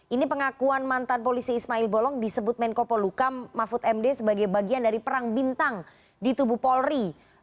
ini pengakuan mantan polisi ismail bolong disebut menko polukam mahfud md sebagai bagian dari perang bintang di tubuh polri